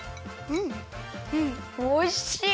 うんおいしい。